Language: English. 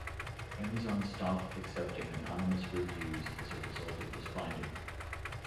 Amazon stopped accepting anonymous reviews as a result of this finding.